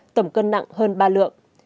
tổng cân nặng hơn ba lượng